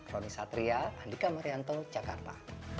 roni satria andika marianto jakarta